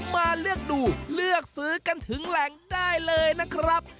มาเลือกดูเลือกซื้อกันถึงแหล่งได้เลยนะครับ